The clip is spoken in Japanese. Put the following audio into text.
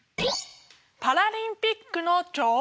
パラリンピックの女王。